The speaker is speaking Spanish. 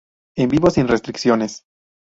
En vivo sin restricciones!